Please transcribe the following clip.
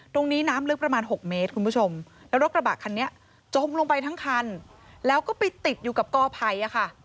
น้ำลึกประมาณ๖เมตรคุณผู้ชมแล้วรถกระบะคันนี้จมลงไปทั้งคันแล้วก็ไปติดอยู่กับกอภัยค่ะ